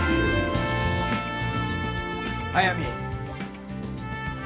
速水！